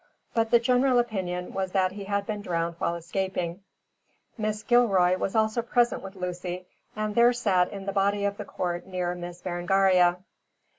But the general opinion was that he had been drowned while escaping. Mrs. Gilroy was also present with Lucy, and these sat in the body of the court near Miss Berengaria.